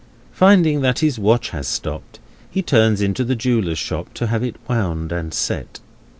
Finding that his watch has stopped, he turns into the jeweller's shop, to have it wound and set.